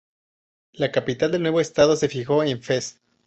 La capital del nuevo Estado se fijó en Fez.